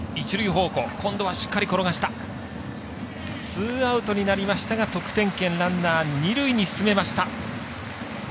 ツーアウトになりましたが得点圏ランナー、二塁に進めました。